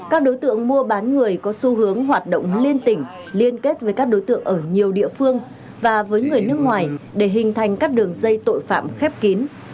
các đối tượng mua bán người có xu hướng hoạt động liên tỉnh liên kết với các đối tượng ở nhiều địa phương và với người nước ngoài để hình thành các đường dây tội phạm khép kín